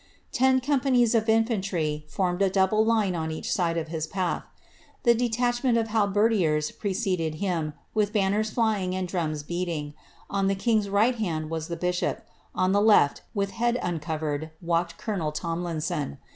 Ta companies of infantry formed a double line on each aide of his patt The detachment of halberdiers preceded him, with banners flying aa drums beating. On the king's right hand was the bishop; on the led with head uncovered, walked colonel Tomlinson.